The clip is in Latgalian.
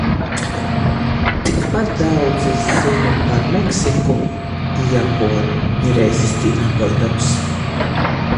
Tikpat daudz es zynu par Meksiku i Japuonu, ni reizis tī nabyudams.